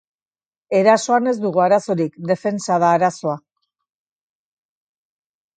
Erasoan ez dugu arazorik, defentsa da arazoa.